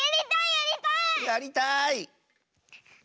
やりたい！